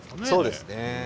そうですね。